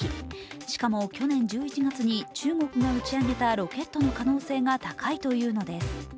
しかも去年１１月に中国が打ち上げたロケットの可能性が高いというのです。